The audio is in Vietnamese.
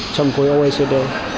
trong côi oecd